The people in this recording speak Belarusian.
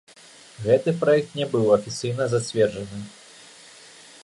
Гэты праект не быў афіцыйна зацверджаны.